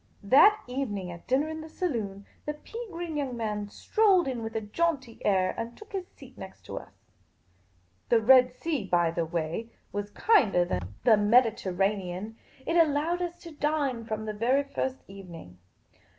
That evening, at dinner in the saloon, the pea green young man strolled in with a jaunty air and took his seat next to us. The Red Sea, by the way, was kinder than the 212 Miss Caylcy's Adventures Mediterranean ; it allowed us to dine from the very first evening.